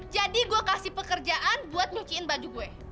jadi gua kasih pekerjaan buat nyuciin baju gue